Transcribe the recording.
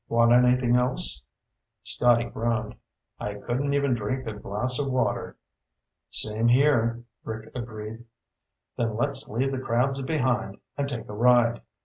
Want anything else?" Scotty groaned. "I couldn't even drink a glass of water." "Same here," Rick agreed. "Then let's leave the crabs behind and take a ride."